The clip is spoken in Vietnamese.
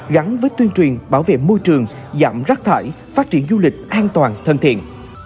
gắn với tuyên truyền bảo vệ môi trường giảm rác thải phát triển du lịch an toàn thân thiện